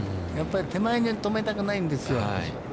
手前に止めたくないんですよ。